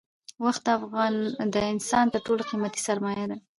وخت د انسان تر ټولو قیمتي سرمایه ده